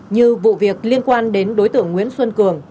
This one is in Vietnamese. như vụ việc liên quan đến đối tượng nguyễn xuân cường